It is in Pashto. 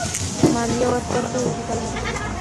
مالیه ورکول هېوادپالنه ده.